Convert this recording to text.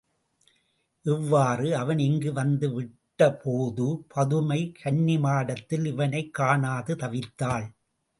இவ்வாறு அவன் இங்கு வந்து விட்டபோது பதுமை கன்னிமாடத்தில் இவனைக் காணாது தவித்தாள்.